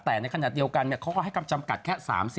แต่ในขณะเดียวกันเขาก็ให้กำจำกัดแค่๓๐